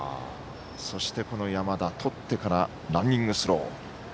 そして、山田とってからランニングスロー。